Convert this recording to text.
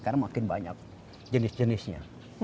karena makin banyak jenis jenisnya